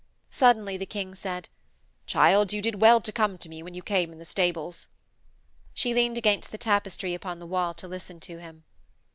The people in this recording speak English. Suddenly the King said: 'Child, you did well to come to me, when you came in the stables.' She leaned against the tapestry upon the wall to listen to him.